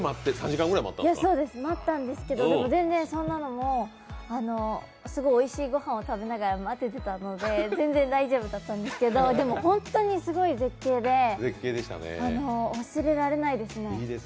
待ったんですけどでも全然そんなの、おいしい御飯食べながら待ててたので、全然大丈夫だったんですけどでも、本当にすごい絶景で、忘れられないですね。